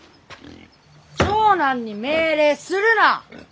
長男に命令するな！